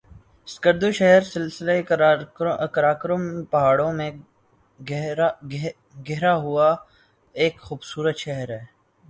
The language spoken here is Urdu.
سکردو شہر سلسلہ قراقرم کے پہاڑوں میں گھرا ہوا ایک خوبصورت شہر ہے